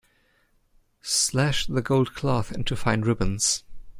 Slash the gold cloth into fine ribbons.